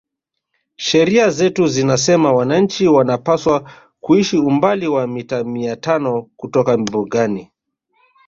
Sheria zetu zinasema wananchi wanapaswa kuishi umbali wa mita mia tano kutoka mbugani